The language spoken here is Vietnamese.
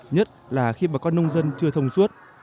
nhất là khi bà con nông dân chưa thông suốt